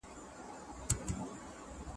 هغه د واک تر پای يو عادل انسان پاتې شو.